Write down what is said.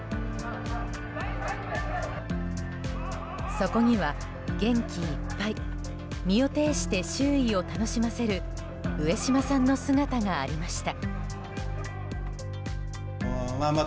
そこには元気いっぱい身を挺して周囲を楽しませる上島さんの姿がありました。